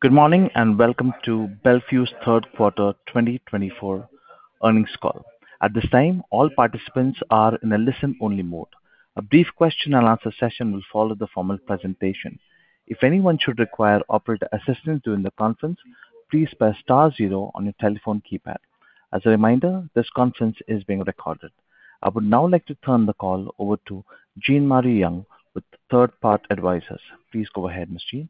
Good morning, and welcome to Bel Fuse's third quarter 2024 earnings call. At this time, all participants are in a listen-only mode. A brief question and answer session will follow the formal presentation. If anyone should require operator assistance during the conference, please press star zero on your telephone keypad. As a reminder, this conference is being recorded. I would now like to turn the call over to Jean Marie Young with Three Part Advisors. Please go ahead, Miss Jean.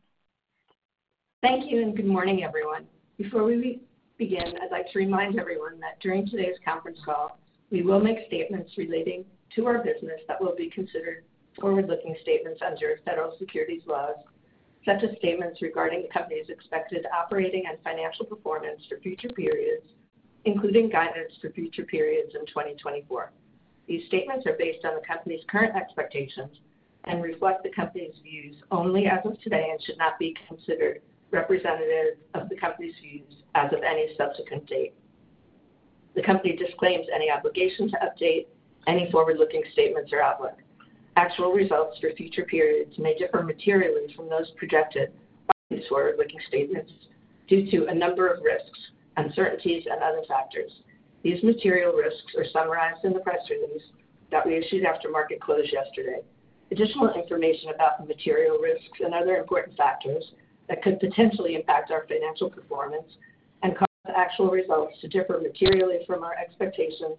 Thank you, and good morning, everyone. Before we begin, I'd like to remind everyone that during today's conference call, we will make statements relating to our business that will be considered forward-looking statements under federal securities laws. Such as statements regarding the company's expected operating and financial performance for future periods, including guidance for future periods in twenty twenty-four. These statements are based on the company's current expectations and reflect the company's views only as of today and should not be considered representative of the company's views as of any subsequent date. The company disclaims any obligation to update any forward-looking statements or outlook. Actual results for future periods may differ materially from those projected by these forward-looking statements due to a number of risks, uncertainties, and other factors. These material risks are summarized in the press release that we issued after market close yesterday. Additional information about the material risks and other important factors that could potentially impact our financial performance and cause actual results to differ materially from our expectations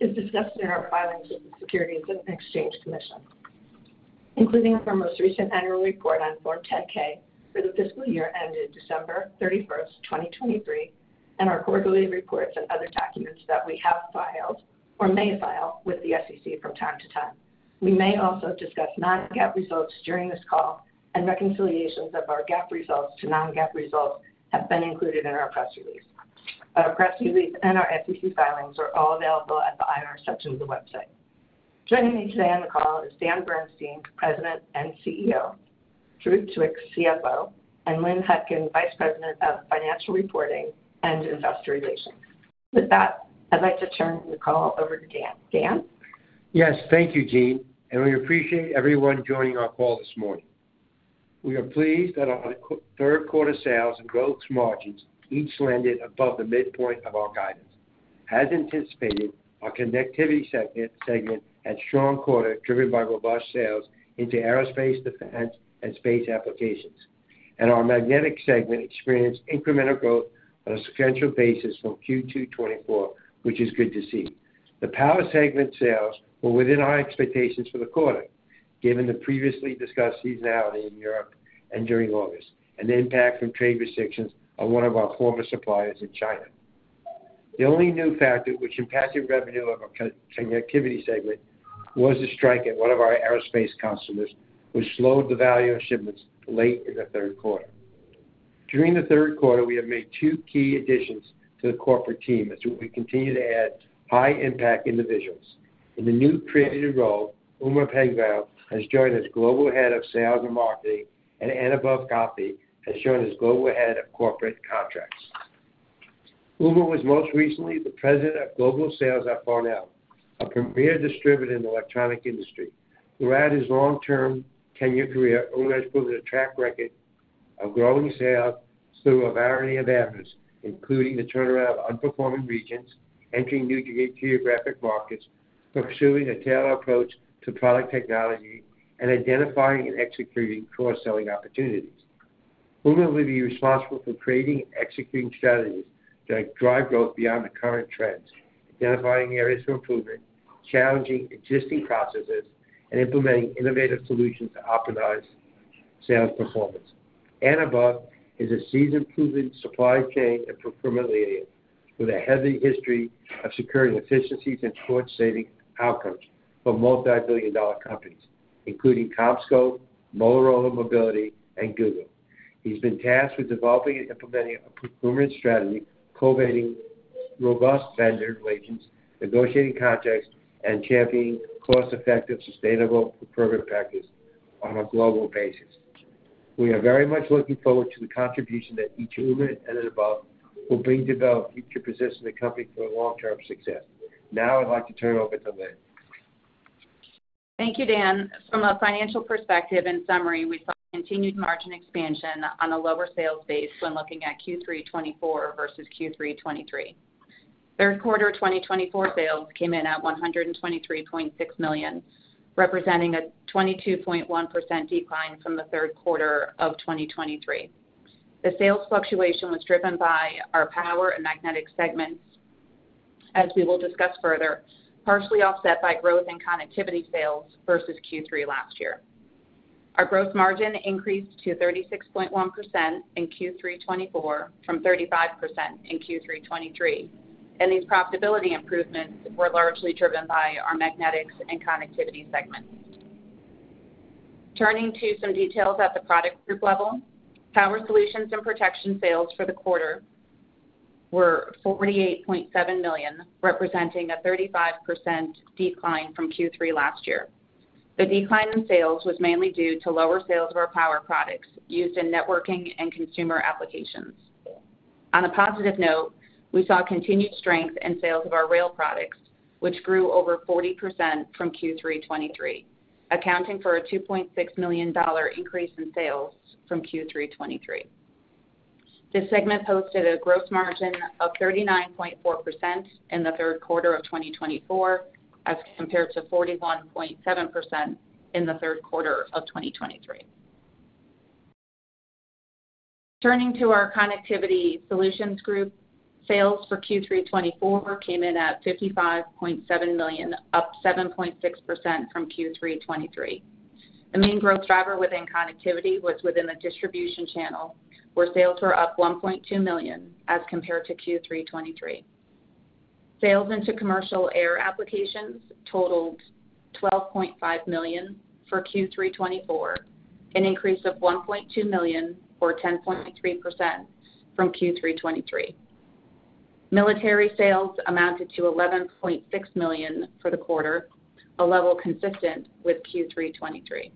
is discussed in our filings with the Securities and Exchange Commission, including our most recent annual report on Form 10-K for the fiscal year ended December thirty-first, 2023, and our quarterly reports and other documents that we have filed or may file with the SEC from time to time. We may also discuss non-GAAP results during this call, and reconciliations of our GAAP results to non-GAAP results have been included in our press release. Our press release and our SEC filings are all available at the IR section of the website. Joining me today on the call is Dan Bernstein, President and CEO, Farouq Tuweiq, CFO, and Lynn Hutkin, Vice President of Financial Reporting and Investor Relations. With that, I'd like to turn the call over to Dan. Dan? Yes, thank you, Jean, and we appreciate everyone joining our call this morning. We are pleased that our third quarter sales and gross margins each landed above the midpoint of our guidance. As anticipated, our connectivity segment had strong quarter, driven by robust sales into aerospace, defense, and space applications, and our magnetic segment experienced incremental growth on a sequential basis from Q2 2024, which is good to see. The power segment sales were within our expectations for the quarter, given the previously discussed seasonality in Europe and during August, and the impact from trade restrictions on one of our former suppliers in China. The only new factor which impacted revenue of our connectivity segment was a strike at one of our aerospace customers, which slowed the value of shipments late in the third quarter. During the third quarter, we have made two key additions to the corporate team as we continue to add high-impact individuals. In the newly created role, Umair Pingle has joined as Global Head of Sales and Marketing, and Anubhav Ghelani has joined as Global Head of Corporate Contracts. Umair was most recently the President of Global Sales at Farnell, a premier distributor in the electronics industry. Throughout his long-term tenure career, Umair has proven a track record of growing sales through a variety of avenues, including the turnaround of underperforming regions, entering new geographic markets, pursuing a tailored approach to product technology, and identifying and executing cross-selling opportunities. Umair will be responsible for creating and executing strategies that drive growth beyond the current trends, identifying areas for improvement, challenging existing processes, and implementing innovative solutions to optimize sales performance. Anubhav is a seasoned-proven supply chain and procurement leader with a heavy history of securing efficiencies and cost-saving outcomes for multibillion-dollar companies, including CommScope, Motorola Mobility, and Google. He's been tasked with developing and implementing a procurement strategy, cultivating robust vendor relations, negotiating contracts, and championing cost-effective, sustainable procurement practice on a global basis. We are very much looking forward to the contribution that each Umair and Anubhav will bring about to position the company for long-term success. Now I'd like to turn it over to Lynn. Thank you, Dan. From a financial perspective, in summary, we saw continued margin expansion on a lower sales base when looking at Q3 2024 versus Q3 2023. Third quarter 2024 sales came in at $123.6 million, representing a 22.1% decline from the third quarter of 2023. The sales fluctuation was driven by our power and magnetic segments, as we will discuss further, partially offset by growth in connectivity sales versus Q3 last year. Our gross margin increased to 36.1% in Q3 2024 from 35% in Q3 2023, and these profitability improvements were largely driven by our magnetics and connectivity segments. Turning to some details at the product group level. Power Solutions and Protection sales for the quarter were $48.7 million, representing a 35% decline from Q3 last year. The decline in sales was mainly due to lower sales of our power products used in networking and consumer applications. On a positive note, we saw continued strength in sales of our rail products, which grew over 40% from Q3 2023, accounting for a $2.6 million increase in sales from Q3 2023. This segment posted a gross margin of 39.4% in the third quarter of 2024, as compared to 41.7% in the third quarter of 2023. Turning to our Connectivity Solutions group, sales for Q3 2024 came in at $55.7 million, up 7.6% from Q3 2023. The main growth driver within connectivity was within the distribution channel, where sales were up $1.2 million as compared to Q3 2023. Sales into commercial air applications totaled $12.5 million for Q3 2024, an increase of $1.2 million, or 10.3% from Q3 2023. Military sales amounted to $11.6 million for the quarter, a level consistent with Q3 2023.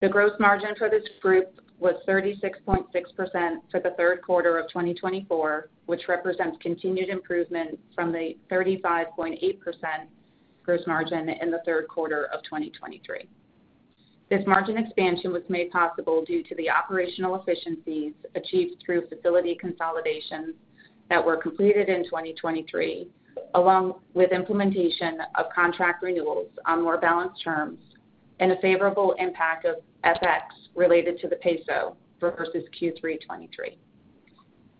The gross margin for this group was 36.6% for the third quarter of 2024, which represents continued improvement from the 35.8% gross margin in the third quarter of 2023. This margin expansion was made possible due to the operational efficiencies achieved through facility consolidations that were completed in 2023, along with implementation of contract renewals on more balanced terms and a favorable impact of FX related to the peso versus Q3 2023.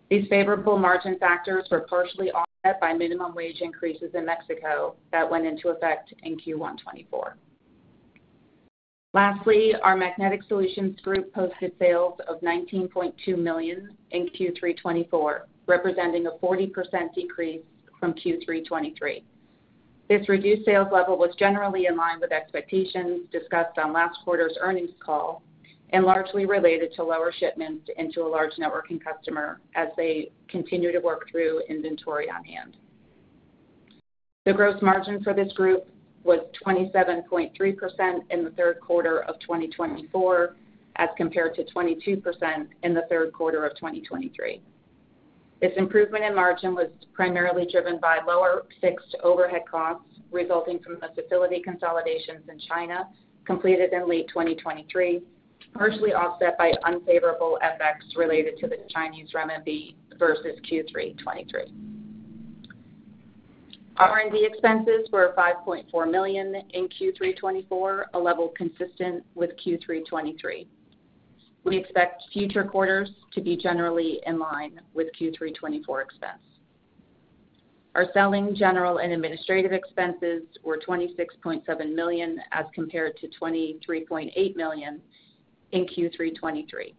These favorable margin factors were partially offset by minimum wage increases in Mexico that went into effect in Q1 2024. Lastly, our Magnetic Solutions group posted sales of $19.2 million in Q3 2024, representing a 40% decrease from Q3 2023. This reduced sales level was generally in line with expectations discussed on last quarter's earnings call and largely related to lower shipments into a large networking customer as they continue to work through inventory on hand. The gross margin for this group was 27.3% in the third quarter of 2024, as compared to 22% in the third quarter of 2023. This improvement in margin was primarily driven by lower fixed overhead costs resulting from the facility consolidations in China, completed in late 2023, partially offset by unfavorable FX related to the Chinese renminbi versus Q3 2023. R&D expenses were $5.4 million in Q3 2024, a level consistent with Q3 2023. We expect future quarters to be generally in line with Q3 2024 expenses. Our selling, general, and administrative expenses were $26.7 million, as compared to $23.8 million in Q3 2023.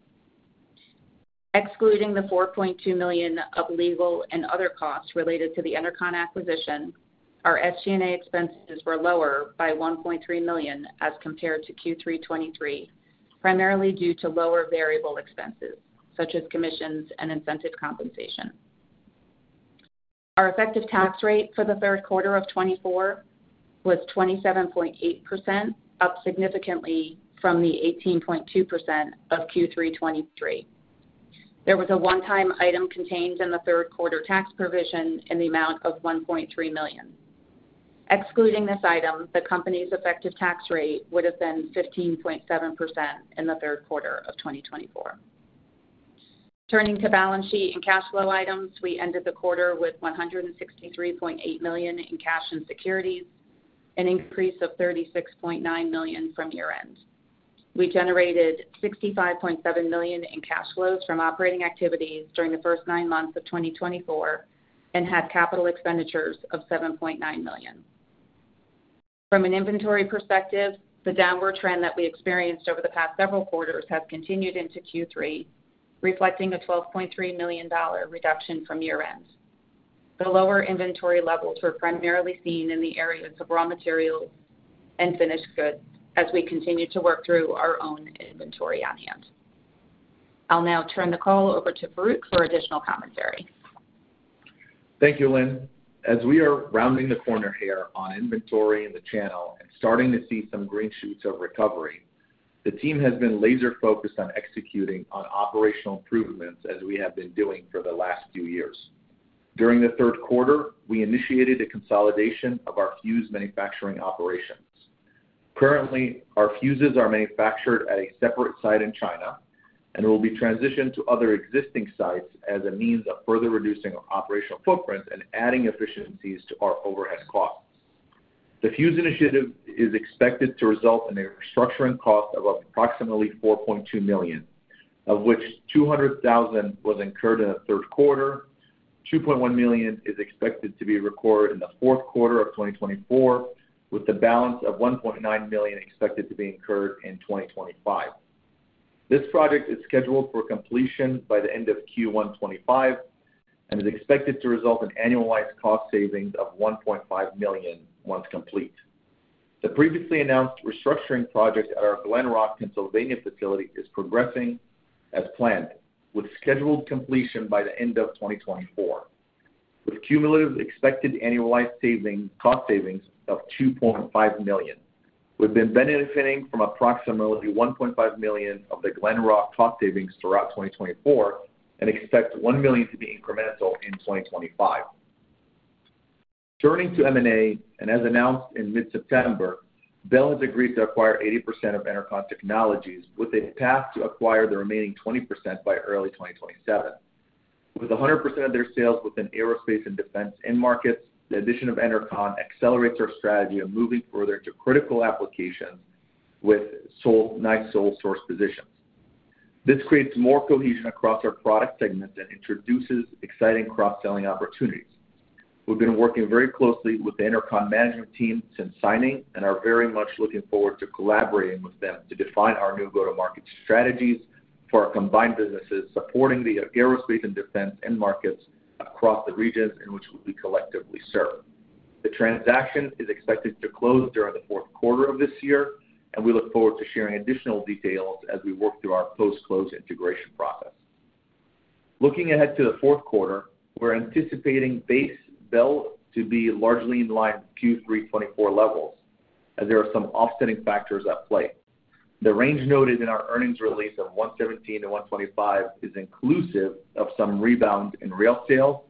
Excluding the $4.2 million of legal and other costs related to the Enercon acquisition, our SG&A expenses were lower by $1.3 million as compared to Q3 2023, primarily due to lower variable expenses, such as commissions and incentive compensation. Our effective tax rate for the third quarter of 2024 was 27.8%, up significantly from the 18.2% of Q3 2023. There was a one-time item contained in the third quarter tax provision in the amount of $1.3 million. Excluding this item, the company's effective tax rate would have been 15.7% in the third quarter of 2024. Turning to balance sheet and cash flow items, we ended the quarter with $163.8 million in cash and securities, an increase of $36.9 million from year-end. We generated $65.7 million in cash flows from operating activities during the first nine months of 2024 and had capital expenditures of $7.9 million. From an inventory perspective, the downward trend that we experienced over the past several quarters has continued into Q3, reflecting a $12.3 million reduction from year-end. The lower inventory levels were primarily seen in the areas of raw materials and finished goods as we continue to work through our own inventory on hand. I'll now turn the call over to Farouq for additional commentary. Thank you, Lynn. As we are rounding the corner here on inventory in the channel and starting to see some green shoots of recovery, the team has been laser focused on executing on operational improvements as we have been doing for the last few years. During the third quarter, we initiated a consolidation of our fuse manufacturing operations. Currently, our fuses are manufactured at a separate site in China and will be transitioned to other existing sites as a means of further reducing our operational footprint and adding efficiencies to our overhead costs. The fuse initiative is expected to result in a restructuring cost of approximately $4.2 million, of which $200,000 was incurred in the third quarter. $2.1 million is expected to be recorded in the fourth quarter of 2024, with the balance of $1.9 million expected to be incurred in 2025. This project is scheduled for completion by the end of Q1 2025 and is expected to result in annualized cost savings of $1.5 million once complete. The previously announced restructuring project at our Glen Rock, Pennsylvania, facility is progressing as planned, with scheduled completion by the end of 2024, with cumulative expected annualized cost savings of $2.5 million. We've been benefiting from approximately $1.5 million of the Glen Rock cost savings throughout 2024, and expect $1 million to be incremental in 2025. Turning to M&A, and as announced in mid-September, Bel has agreed to acquire 80% of Enercon Technologies, with a path to acquire the remaining 20% by early 2027. With 100% of their sales within aerospace and defense end markets, the addition of Enercon accelerates our strategy of moving further to critical applications with sole source positions. This creates more cohesion across our product segments and introduces exciting cross-selling opportunities. We've been working very closely with the Enercon management team since signing and are very much looking forward to collaborating with them to define our new go-to-market strategies for our combined businesses, supporting the aerospace and defense end markets across the regions in which we collectively serve. The transaction is expected to close during the fourth quarter of this year, and we look forward to sharing additional details as we work through our post-close integration process. Looking ahead to the fourth quarter, we're anticipating base Bel to be largely in line with Q3 2024 levels, as there are some offsetting factors at play. The range noted in our earnings release of $117-$125 is inclusive of some rebound in rail sales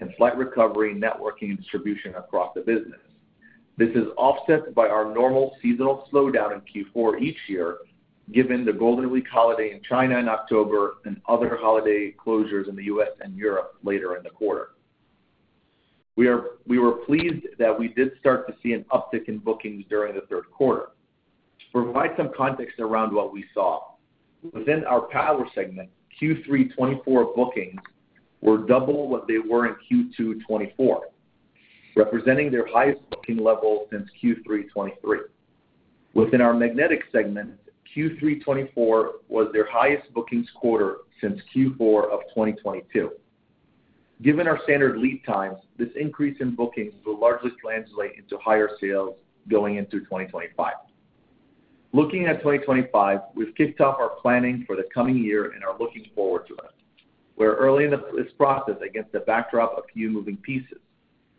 and slight recovery in networking and distribution across the business. This is offset by our normal seasonal slowdown in Q4 each year, given the Golden Week holiday in China in October and other holiday closures in the U.S. and Europe later in the quarter. We were pleased that we did start to see an uptick in bookings during the third quarter. To provide some context around what we saw, within our power segment, Q3 2024 bookings were double what they were in Q2 2024, representing their highest booking level since Q3 2023. Within our Magnetic segment, Q3 2024 was their highest bookings quarter since Q4 of 2022. Given our standard lead times, this increase in bookings will largely translate into higher sales going into 2025. Looking at 2025, we've kicked off our planning for the coming year and are looking forward to it. We're early in this process against the backdrop of a few moving pieces.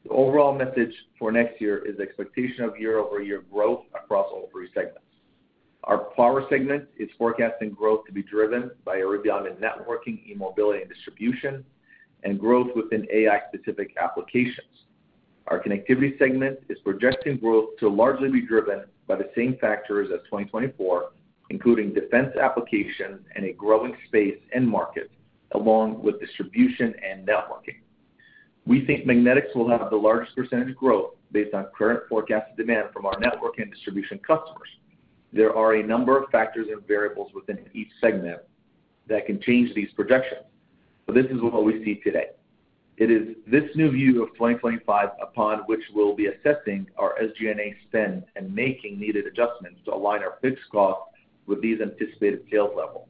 The overall message for next year is expectation of year-over-year growth across all three segments. Our power segment is forecasting growth to be driven by industrial and networking, e-mobility, and distribution, and growth within AI-specific applications. Our connectivity segment is projecting growth to largely be driven by the same factors as 2024, including defense applications and a growing space end market, along with distribution and networking. We think Magnetics will have the largest percentage growth based on current forecasted demand from our network and distribution customers. There are a number of factors and variables within each segment that can change these projections, but this is what we see today. It is this new view of 2025, upon which we'll be assessing our SG&A spend and making needed adjustments to align our fixed costs with these anticipated sales levels.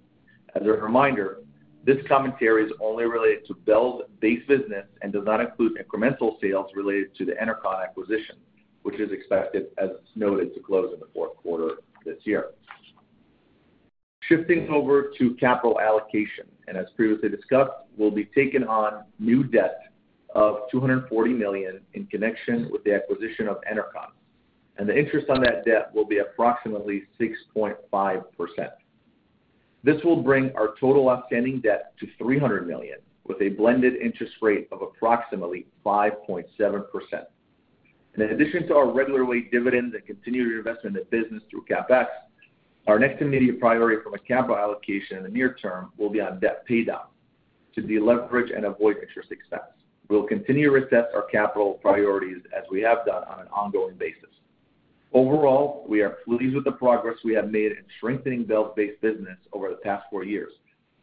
As a reminder, this commentary is only related to Bel's base business and does not include incremental sales related to the Enercon acquisition, which is expected, as noted, to close in the fourth quarter this year. Shifting over to capital allocation, and as previously discussed, we'll be taking on new debt of $240 million in connection with the acquisition of Enercon, and the interest on that debt will be approximately 6.5%. This will bring our total outstanding debt to $300 million, with a blended interest rate of approximately 5.7%. And in addition to our regular late dividend and continued investment in the business through CapEx, our next immediate priority from a capital allocation in the near term will be on debt paydown, to deleverage and avoid interest expense. We'll continue to assess our capital priorities as we have done on an ongoing basis. Overall, we are pleased with the progress we have made in strengthening Bel's base business over the past four years,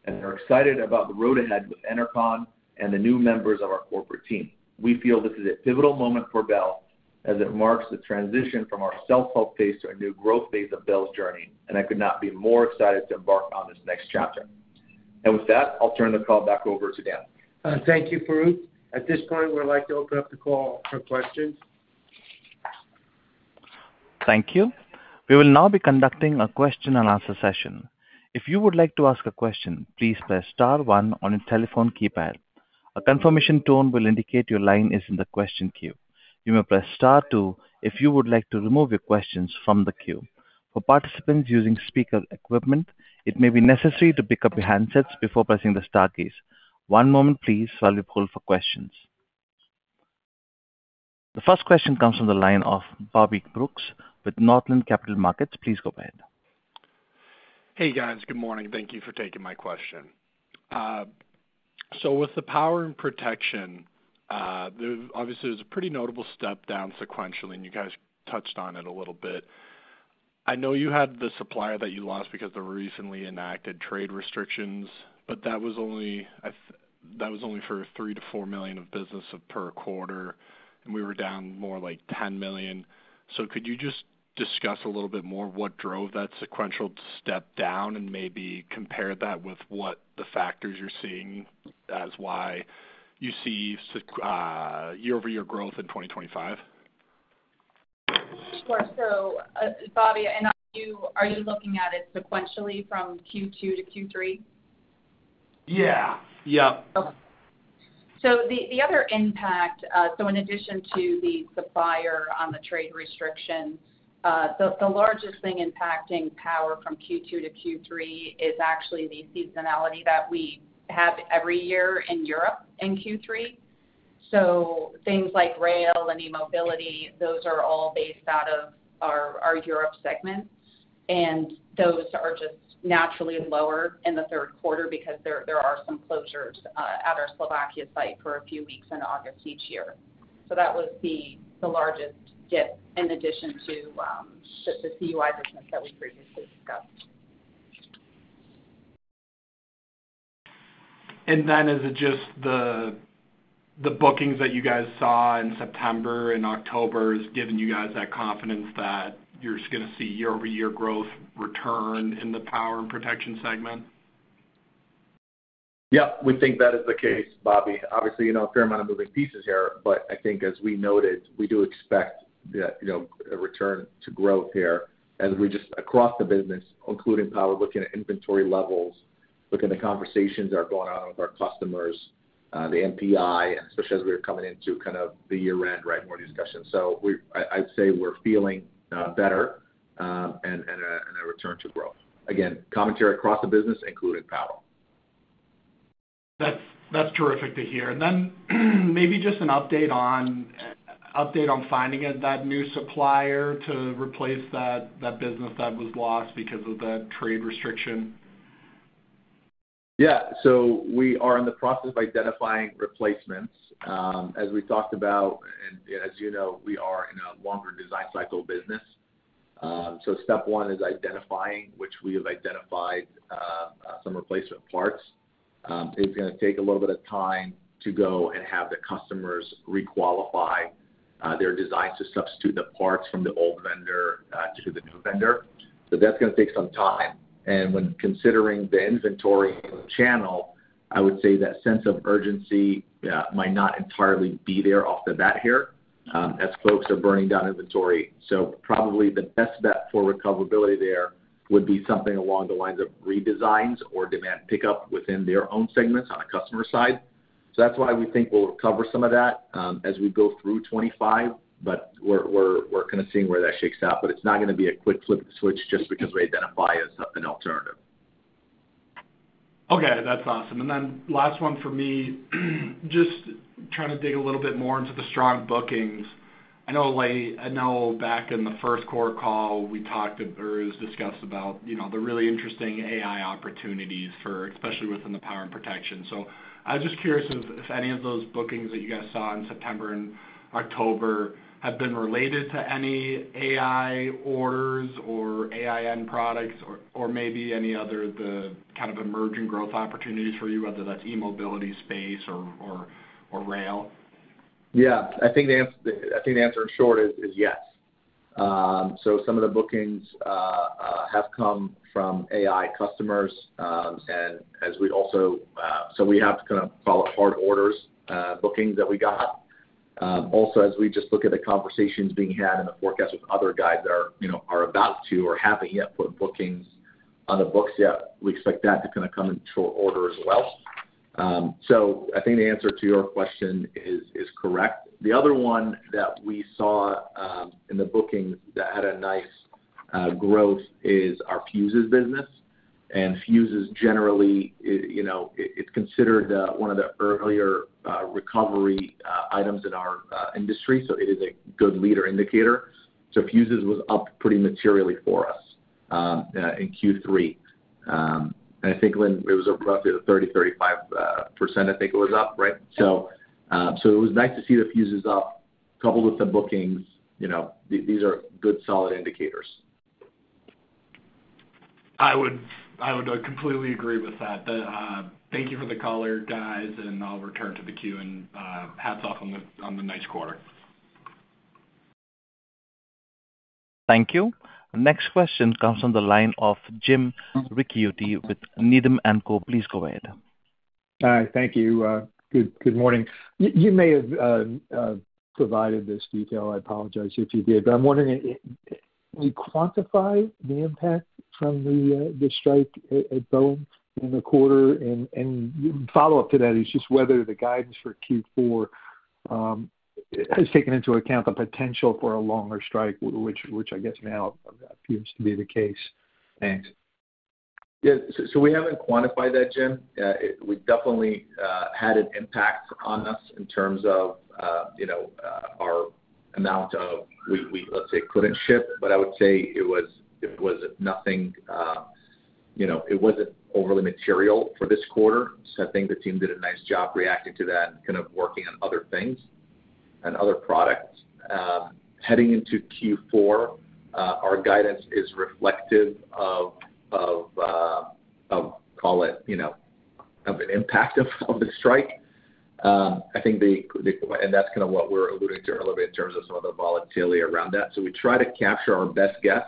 and are excited about the road ahead with Enercon and the new members of our corporate team. We feel this is a pivotal moment for Bel, as it marks the transition from our self-help phase to a new growth phase of Bel's journey, and I could not be more excited to embark on this next chapter, and with that, I'll turn the call back over to Dan. Thank you, Farouq. At this point, we'd like to open up the call for questions. Thank you. We will now be conducting a question-and-answer session. If you would like to ask a question, please press star one on your telephone keypad. A confirmation tone will indicate your line is in the question queue. You may press star two if you would like to remove your questions from the queue. For participants using speaker equipment, it may be necessary to pick up your handsets before pressing the star keys. One moment please, while we poll for questions. The first question comes from the line of Bobby Brooks with Northland Capital Markets. Please go ahead. Hey, guys. Good morning. Thank you for taking my question. So with the power and protection, there obviously is a pretty notable step down sequentially, and you guys touched on it a little bit. I know you had the supplier that you lost because of the recently enacted trade restrictions, but that was only for $3 million-$4 million of business per quarter, and we were down more like $10 million. So could you just discuss a little bit more what drove that sequential step down and maybe compare that with what the factors you're seeing as why you see strong year-over-year growth in 2025? Sure. So, Bobby, and are you looking at it sequentially from Q2 to Q3? Yeah. Yep. Okay. So the other impact, so in addition to the supplier on the trade restrictions, the largest thing impacting power from Q2 to Q3 is actually the seasonality that we have every year in Europe in Q3. So things like rail and e-mobility, those are all based out of our Europe segment, and those are just naturally lower in the third quarter because there are some closures at our Slovakia site for a few weeks in August each year. So that would be the largest dip in addition to just the CUI business that we previously discussed. And then is it just the bookings that you guys saw in September and October is giving you guys that confidence that you're just gonna see year-over-year growth return in the power and protection segment? Yep, we think that is the case, Bobby. Obviously, you know, a fair amount of moving pieces here, but I think as we noted, we do expect that, you know, a return to growth here as we look across the business, including power, looking at inventory levels, looking at the conversations that are going on with our customers, the NPI, and especially as we're coming into kind of the year-end, right, more discussions. So, I'd say we're feeling better, and a return to growth. Again, commentary across the business, including power. That's terrific to hear, and then maybe just an update on finding that new supplier to replace that business that was lost because of the trade restriction. Yeah. So we are in the process of identifying replacements. As we talked about, and as you know, we are in a longer design cycle business. So step one is identifying, which we have identified, some replacement parts. It's gonna take a little bit of time to go and have the customers re-qualify their designs to substitute the parts from the old vendor to the new vendor. So that's gonna take some time. And when considering the inventory in the channel, I would say that sense of urgency might not entirely be there off the bat here, as folks are burning down inventory. So probably the best bet for recoverability there would be something along the lines of redesigns or demand pickup within their own segments on a customer side. So that's why we think we'll recover some of that as we go through 2025, but we're kind of seeing where that shakes out. But it's not gonna be a quick flip of the switch just because we identify as an alternative. Okay, that's awesome. And then last one for me, just trying to dig a little bit more into the strong bookings. I know, like, I know back in the first quarter call, we talked or discussed about, you know, the really interesting AI opportunities for, especially within the power and protection. So I was just curious if, if any of those bookings that you guys saw in September and October have been related to any AI orders or AI end products, or, or maybe any other, the kind of emerging growth opportunities for you, whether that's e-mobility space or, or, or rail? Yeah, I think the answer in short is yes. So some of the bookings have come from AI customers, and as we also so we have to kind of follow hard orders, bookings that we got. Also, as we just look at the conversations being had and the forecast with other guys that are, you know, are about to or haven't yet put bookings on the books yet, we expect that to kind of come into order as well. So I think the answer to your question is correct. The other one that we saw in the bookings that had a nice growth is our fuses business. And fuses generally, you know, it's considered one of the earlier recovery items in our industry, so it is a good leading indicator. So fuses was up pretty materially for us in Q3. And I think it was roughly 30-35%, I think it was up, right? So it was nice to see the fuses up, coupled with the bookings, you know, these are good, solid indicators. I would completely agree with that. Thank you for the color, guys, and I'll return to the queue and hats off on the nice quarter. Thank you. Next question comes from the line of Jim Ricchiuti with Needham & Co. Please go ahead. Thank you. Good morning. You may have provided this detail. I apologize if you did, but I'm wondering, did you quantify the impact from the strike at Boeing in the quarter? And follow-up to that is just whether the guidance for Q4 has taken into account the potential for a longer strike, which I guess now appears to be the case. Thanks. Yeah. So we haven't quantified that, Jim. We definitely had an impact on us in terms of, you know, the amount that we, let's say, couldn't ship, but I would say it was nothing, you know, it wasn't overly material for this quarter. So I think the team did a nice job reacting to that and kind of working on other things and other products. Heading into Q4, our guidance is reflective of, call it, you know, an impact of the strike. I think that's kind of what we're alluding to a little bit in terms of some of the volatility around that. So we try to capture our best guess,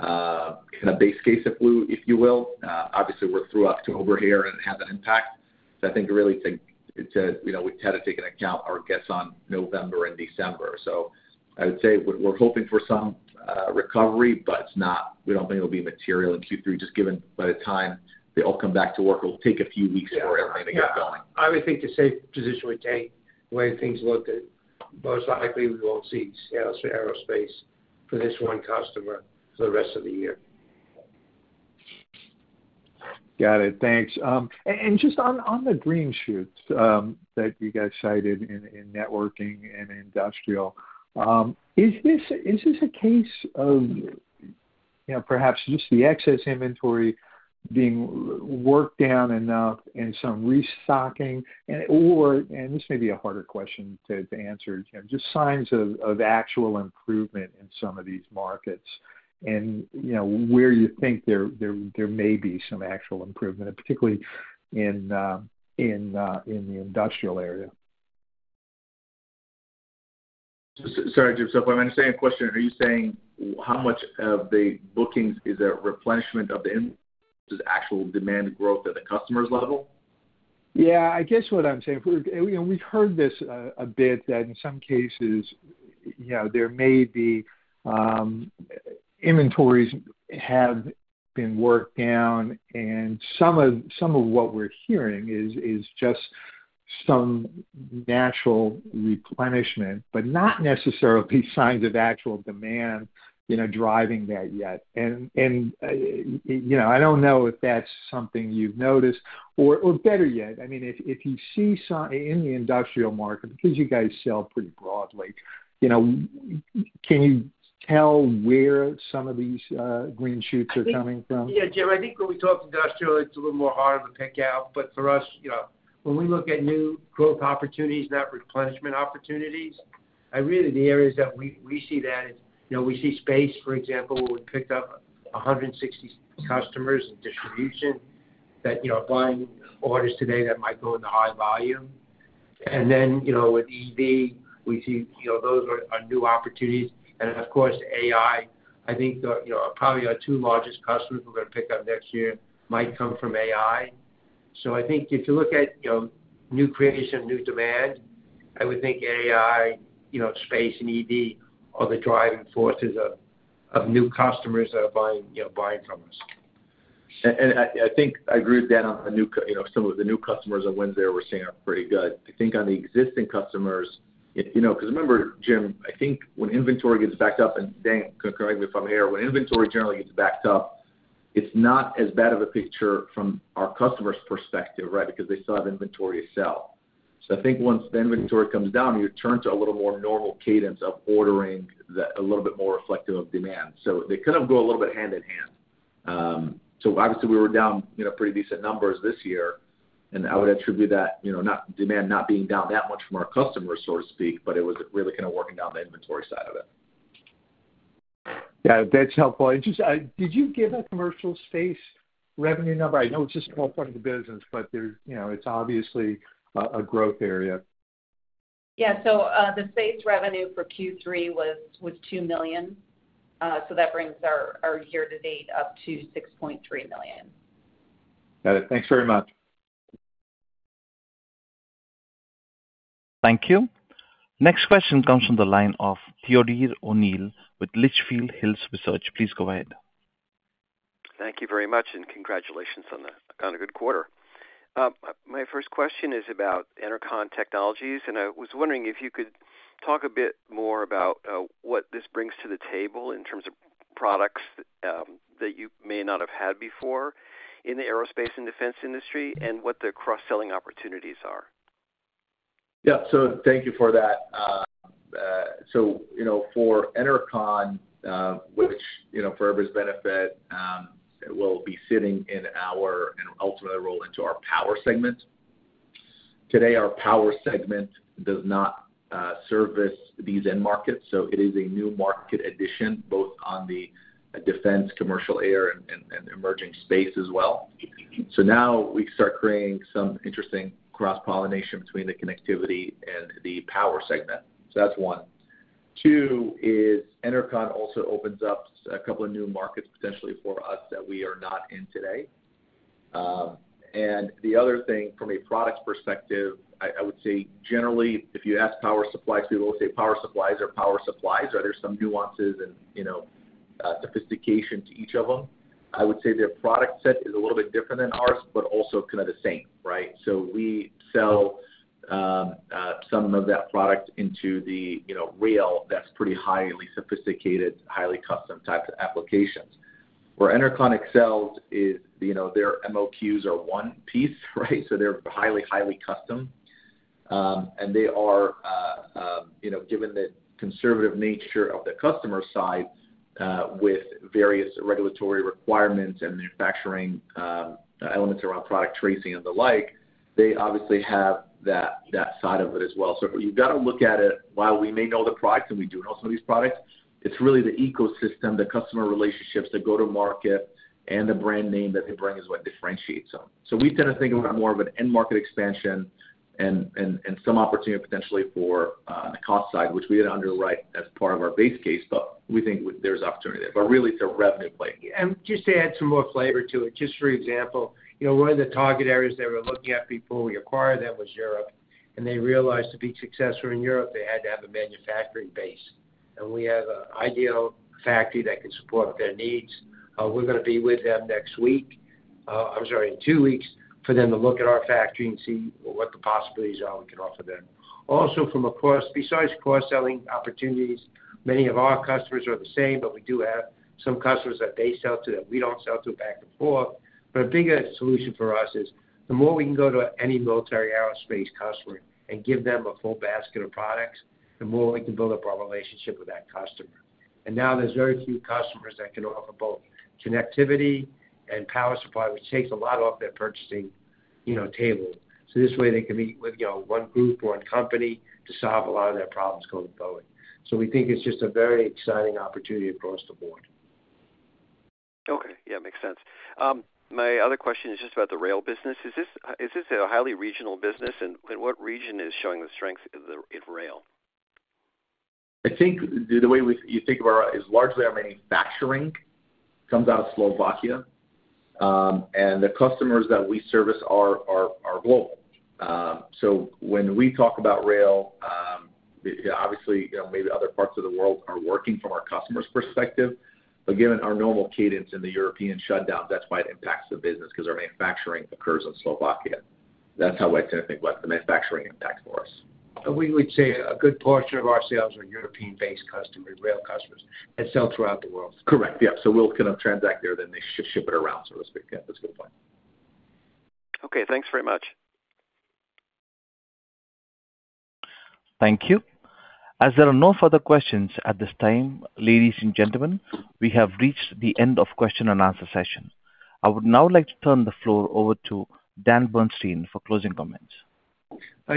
kind of base case for Boeing, if you will. Obviously, we're through October here, and it has an impact. So I think really take it to, you know, we tend to take into account our guess on November and December. So I would say we're hoping for some recovery, but it's not. We don't think it'll be material in Q3, just given by the time they all come back to work, it'll take a few weeks for everything to get going. I would think the safe position we take, the way things look, that most likely we won't see sales for aerospace for this one customer for the rest of the year. Got it. Thanks, and just on the green shoots that you guys cited in networking and industrial, is this a case of, you know, perhaps just the excess inventory being worked down enough and some restocking? And/or, and this may be a harder question to answer, Jim, just signs of actual improvement in some of these markets and, you know, where you think there may be some actual improvement, particularly in the industrial area. Sorry, Jim, so if I understand your question, are you saying how much of the bookings is a replenishment of the inventory, just actual demand growth at the customer's level? Yeah, I guess what I'm saying and, you know, we've heard this a bit, that in some cases, you know, there may be inventories have been worked down, and some of what we're hearing is just some natural replenishment, but not necessarily signs of actual demand, you know, driving that yet. And you know, I don't know if that's something you've noticed. Or better yet, I mean, if you see signs in the industrial market, because you guys sell pretty broadly, you know, can you tell where some of these green shoots are coming from? Yeah, Jim, I think when we talk industrial, it's a little more harder to pick out. But for us, you know, when we look at new growth opportunities, not replenishment opportunities, and really the areas that we see that is, you know, we see space, for example, where we picked up 160 customers in distribution that, you know, are buying orders today that might go into high volume. And then, you know, with EV, we see, you know, those are new opportunities. And of course, AI, I think the, you know, probably our two largest customers we're going to pick up next year might come from AI. So I think if you look at, you know, new creation, new demand, I would think AI, you know, space and EV are the driving forces of new customers that are buying, you know, buying from us. I think I agree with Dan on the new customers. You know, some of the new customer wins there we're seeing are pretty good. I think on the existing customers, you know, 'cause remember, Jim, I think when inventory gets backed up, and Dan, correct me if I'm wrong, when inventory generally gets backed up, it's not as bad of a picture from our customer's perspective, right? Because they still have inventory to sell. So I think once the inventory comes down, you return to a little more normal cadence of ordering, a little bit more reflective of demand. So they kind of go a little bit hand in hand. So obviously, we were down, you know, pretty decent numbers this year, and I would attribute that, you know, not demand being down that much from our customer so to speak, but it was really kind of working down the inventory side of it. Yeah, that's helpful. And just, did you give a commercial space revenue number? I know it's just a small part of the business, but there, you know, it's obviously a growth area. Yeah. So, the space revenue for Q3 was $2 million. So that brings our year to date up to $6.3 million. Got it. Thanks very much. Thank you. Next question comes from the line of Theodore O'Neill with Litchfield Hills Research. Please go ahead. Thank you very much, and congratulations on a good quarter. My first question is about Enercon Technologies, and I was wondering if you could talk a bit more about what this brings to the table in terms of products that you may not have had before in the aerospace and defense industry, and what the cross-selling opportunities are. Yeah. So thank you for that. So, you know, for Enercon, which, you know, for everyone's benefit, it will be sitting in our and ultimately roll into our power segment. Today, our power segment does not service these end markets, so it is a new market addition, both on the defense, commercial, air, and emerging space as well. So now we start creating some interesting cross-pollination between the connectivity and the power segment. So that's one. Two is Enercon also opens up a couple of new markets potentially for us that we are not in today. And the other thing, from a product perspective, I would say generally, if you ask power supply, people will say power supplies are power supplies, are there some nuances and, you know, sophistication to each of them? I would say their product set is a little bit different than ours, but also kind of the same, right? So we sell, some of that product into the, you know, rail that's pretty highly sophisticated, highly custom types of applications. Where Enercon excels is, you know, their MOQs are one piece, right? So they're highly, highly custom. And they are, you know, given the conservative nature of the customer side, with various regulatory requirements and manufacturing, elements around product tracing and the like, they obviously have that, that side of it as well. So you've got to look at it, while we may know the product, and we do know some of these products, it's really the ecosystem, the customer relationships, the go-to-market... and the brand name that they bring is what differentiates them. We tend to think of it more of an end market expansion and some opportunity potentially for the cost side, which we had underwrite as part of our base case, but we think there's opportunity there. But really, it's a revenue play. And just to add some more flavor to it, just for example, you know, one of the target areas that we're looking at before we acquired them was Europe, and they realized to be successful in Europe, they had to have a manufacturing base. And we have an ideal factory that can support their needs. We're gonna be with them next week, I'm sorry, in two weeks, for them to look at our factory and see what the possibilities are we can offer them. Also, from a cost, besides cross-selling opportunities, many of our customers are the same, but we do have some customers that they sell to, that we don't sell to back and forth. But a bigger solution for us is, the more we can go to any military aerospace customer and give them a full basket of products, the more we can build up our relationship with that customer. And now there's very few customers that can offer both connectivity and power supply, which takes a lot off their purchasing, you know, table. So this way, they can meet with, you know, one group or one company to solve a lot of their problems going forward. So we think it's just a very exciting opportunity across the board. Okay. Yeah, makes sense. My other question is just about the rail business. Is this a highly regional business, and what region is showing the strength in rail? I think the way you think about it is largely our manufacturing comes out of Slovakia, and the customers that we service are global. So when we talk about rail, obviously, you know, maybe other parts of the world are working from our customer's perspective, but given our normal cadence in the European shutdown, that's why it impacts the business, 'cause our manufacturing occurs in Slovakia. That's how I tend to think about the manufacturing impact for us. We would say a good portion of our sales are European-based customers, rail customers, that sell throughout the world. Correct. Yeah. So we'll kind of transact there, then they ship it around. So that's a good point. Okay, thanks very much. Thank you. As there are no further questions at this time, ladies and gentlemen, we have reached the end of question and answer session. I would now like to turn the floor over to Dan Bernstein for closing comments.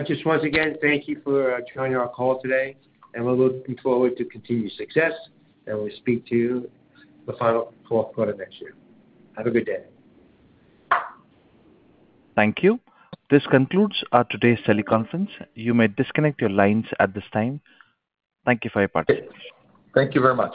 Just once again, thank you for joining our call today, and we're looking forward to continued success, and we'll speak to you the final fourth quarter next year. Have a good day. Thank you. This concludes our today's teleconference. You may disconnect your lines at this time. Thank you for your participation. Thank you very much.